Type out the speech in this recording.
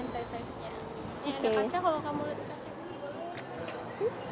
yang ada kaca kalau kamu lihat di kaca ini